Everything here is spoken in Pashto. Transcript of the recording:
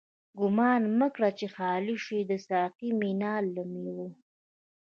گومان مکړه چی خالی شوه، د ساقی مینا له میو